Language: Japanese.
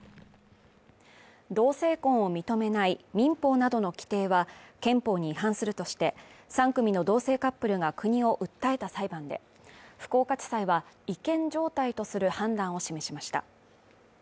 同性婚を認めない民法などの規定は憲法に違反するとして３組の同性カップルが国を訴えた裁判で、福岡地裁は違憲状態とする判断を示しました。